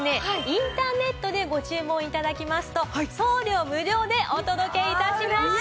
インターネットでご注文頂きますと送料無料でお届け致します。